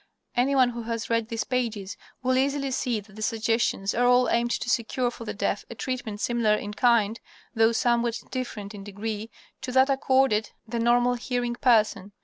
Any one who has read these pages will easily see that the suggestions are all aimed to secure for the deaf a treatment similar in kind, though somewhat different in degree, to that accorded the normal hearing person.